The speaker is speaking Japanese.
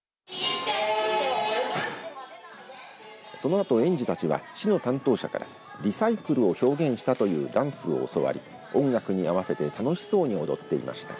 そのあと園児たちは市の担当者からリサイクルを表現したというダンスを教わり音楽に合わせて楽しそうに踊っていました。